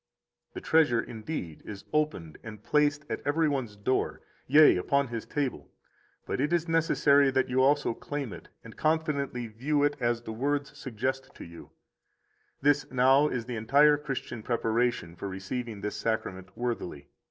The treasure, indeed, is opened and placed at every one's door, yea, upon his table, but it is necessary that you also claim it, and confidently view it as the words suggest to you 36 This, now, is the entire Christian preparation for receiving this Sacrament worthily.